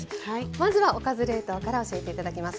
まずは「おかず冷凍」から教えて頂きます。